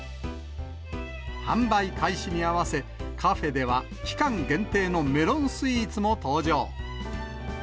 販売開始に合わせ、カフェでは期間限定のメロンスイーツも登場。